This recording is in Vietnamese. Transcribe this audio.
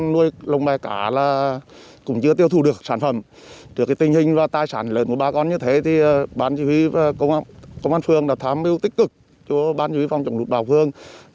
là rất lớn